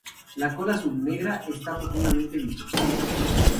La cola azul-negra está profundamente bifurcada.